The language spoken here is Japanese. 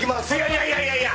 いやいやいやいや。